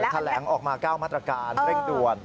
แถลงออกมา๙มาตรการเร่งด่วน